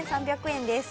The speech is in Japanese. ３３００円。